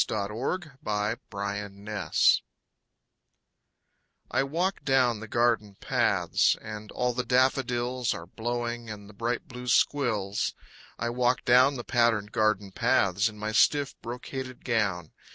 AMY LOWELL PATTERNS I walk down the garden paths, And all the daffodils Are blowing, and the bright blue squills. I walk down the patterned garden paths In my stiff, brocaded gown.